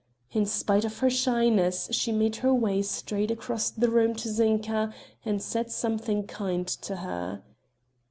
In spite of her shyness she made her way straight across the room to Zinka and said something kind to her.